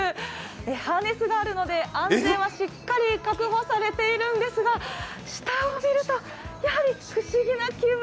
ハーネスがあるので安全はしっかり確保されているんですが、下を見るとやはり不思議な気分。